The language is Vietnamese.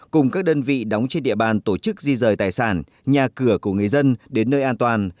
cùng các đơn vị đóng trên địa bàn tổ chức di rời tài sản nhà cửa của người dân đến nơi an toàn